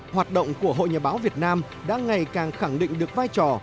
hoạt động của hội nhà báo việt nam đã ngày càng khẳng định được vai trò